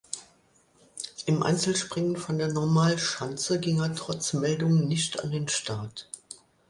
Im Einzelspringen von der Normalschanze ging er trotz Meldung nicht an den Start.